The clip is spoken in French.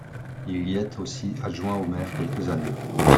Il y est aussi adjoint au maire quelques années.